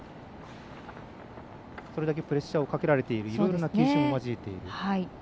それだけプレッシャーをかけられているいろいろな球種も交えていると。